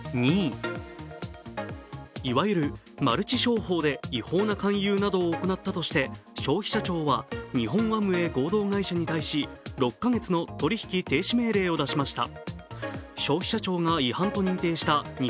２位、いわゆるマルチ商法で違法な勧誘などを行ったとして消費者庁は日本アムウェイ合同会社に対し６か月の取引停止命令を出しました